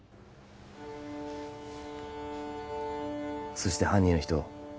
そして犯人の人